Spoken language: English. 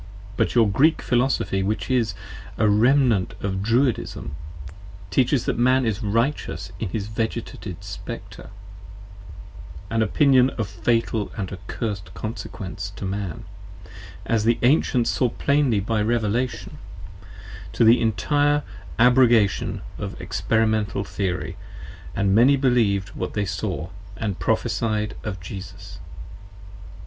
But your Greek Philosophy (which is a rem nant of Druidism) teaches that Man is Righteous in his Vegetated Spectre: an Opinion of fatal & accursed consequence to Man, as the Ancients saw plainly by Revelation, to the intire abrogation of Experimental Theory, 15 and many believed what they saw, and Prophecied of Jesus.